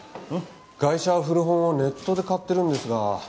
ガイシャは古本をネットで買ってるんですが。